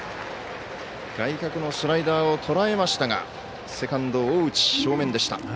外角のスライダーをとらえましたがセカンド大内、正面でした。